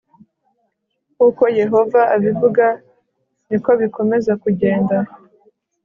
nk uko yehova abivuga niko bikomeza kugenda